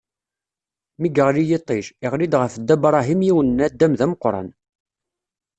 Mi yeɣli yiṭij, iɣli-d ɣef Dda Bṛahim yiwen n naddam d ameqran.